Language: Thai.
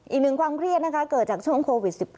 อีกหนึ่งความเครียดนะคะเกิดจากช่วงโควิด๑๙